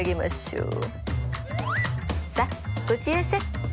さあこっちいらっしゃい！